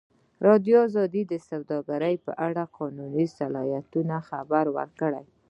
ازادي راډیو د سوداګري په اړه د قانوني اصلاحاتو خبر ورکړی.